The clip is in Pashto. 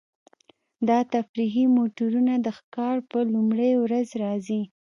دا تفریحي موټرونه د ښکار په لومړۍ ورځ راځي